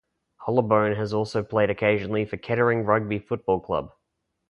Hollobone has also played occasionally for Kettering Rugby Football Club.